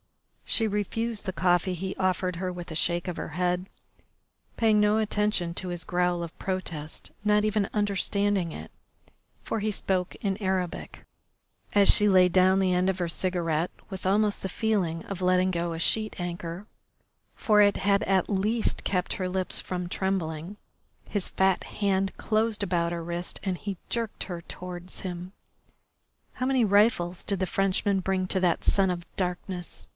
She refused the coffee he offered her with a shake of her head, paying no attention to his growl of protest, not even understanding it, for he spoke in Arabic. As she laid down the end of her cigarette with almost the feeling of letting go a sheet anchor for it had at least kept her lips from trembling his fat hand closed about her wrist and he jerked her towards him. "How many rifles did the Frenchman bring to that son of darkness?"